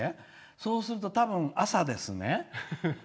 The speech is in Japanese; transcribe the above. そうすると、たぶん朝ですね。